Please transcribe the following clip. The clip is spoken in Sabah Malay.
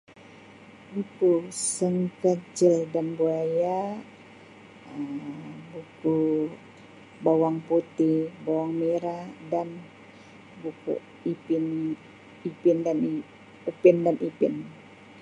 Buku Sang Kancil dan Buaya, Um buku Bawang Putih Bawang Merah, dan buku Ipin-Ipin dan- Upin dan Ipin.